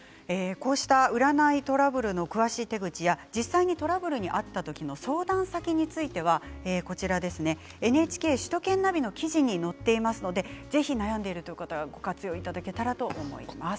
こうした占いトラブルの詳しい手口や実際にトラブルに遭った時の相談先についてはＮＨＫ首都圏ナビの記事に載っていますのでぜひ悩んでいるという方はご活用いただけたらと思います。